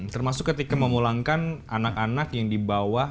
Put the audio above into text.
termasuk ketika memulangkan anak anak yang dibawa